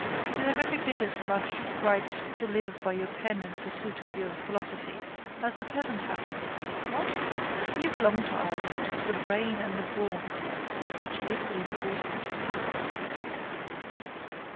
You have every bit as much right to live by your pen in pursuit of your philosophy as the peasant has. What? You both belong to Ireland, the brain and the brawn. Each is equally important.